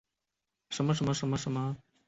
鼠掌老鹳草为牻牛儿苗科老鹳草属的植物。